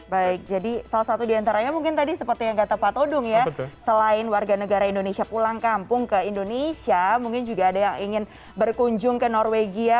baik jadi salah satu diantaranya mungkin tadi seperti yang kata pak todung ya selain warga negara indonesia pulang kampung ke indonesia mungkin juga ada yang ingin berkunjung ke norwegia